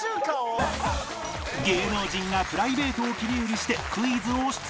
芸能人がプライベートを切り売りしてクイズを出題